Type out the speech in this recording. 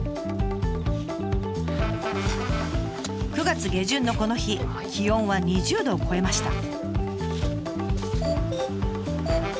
９月下旬のこの日気温は２０度を超えました。